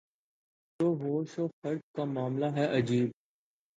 شعور و ہوش و خرد کا معاملہ ہے عجیب